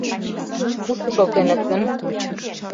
Кушко шылтеныт гын?